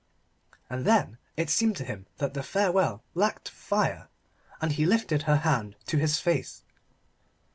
And then it seemed to him that the farewell lacked fire: and he lifted her hand to his face.